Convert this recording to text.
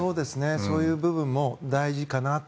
そういう部分も大事かなと。